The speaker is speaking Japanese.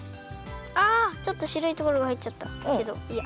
あちょっとしろいところがはいっちゃったけどいいや。